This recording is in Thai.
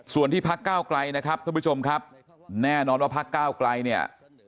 ส่วนที่พระเก้าไกลนะครับท่านผู้ชมครับแน่นอนว่าพระเก้าไกล